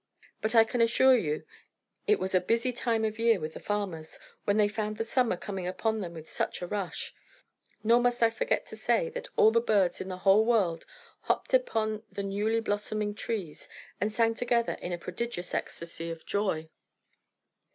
But I can assure you it was a busy time of year with the farmers, when they found the summer coming upon them with such a rush. Nor must I forget to say that all the birds in the whole world hopped about upon the newly blossoming trees, and sang together in a prodigious ecstasy of joy.